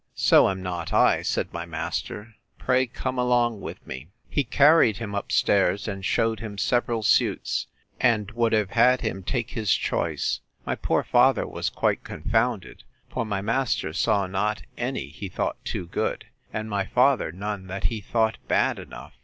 So am not I, said my master: Pray come along with me. He carried him up stairs, and shewed him several suits, and would have had him take his choice. My poor father was quite confounded: for my master saw not any he thought too good, and my father none that he thought bad enough.